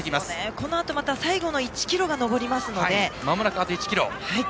このあと最後の１ｋｍがまた上りますので。